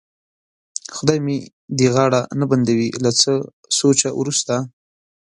خدای مې دې غاړه نه بندوي، له څه سوچه وروسته.